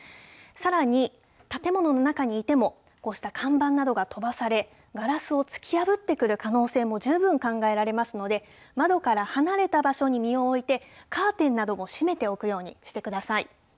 さらに、建物の中にいてもこうした看板などが飛ばされ、ガラスを突き破ってくる可能性も十分考えられますので、窓から離れた場所に身を置いて、カーテンなども閉めておくようにしてください。